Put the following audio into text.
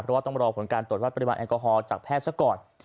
เพราะว่าต้องรอผลการตรวจวัดปริมาณแอลกอฮอล์จากแพทย์ซะก่อน